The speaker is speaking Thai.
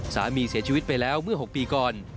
สามีเสียชีวิตไปแล้วเมื่อ๖ปีก่อน